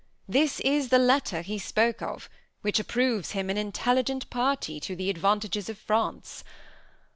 This is the letter he spoke of, which approves him an intelligent party to the advantages of France.